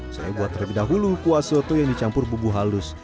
saya buat terlebih dahulu kuah soto yang dicampur bubu halus